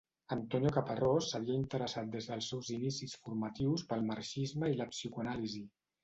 Antonio Caparrós s'havia interessat des dels seus inicis formatius pel marxisme i la psicoanàlisi.